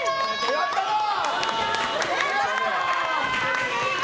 やったー！